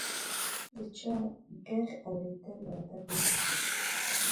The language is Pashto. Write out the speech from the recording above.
د چا ږغ اورېدل د ادب نښه ده.